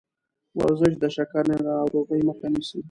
ورزش د شکرې ناروغۍ مخه نیسي.